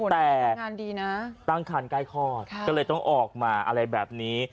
แต่ตั้งคันใกล้คลอดก็เลยต้องออกมาอะไรแบบนี้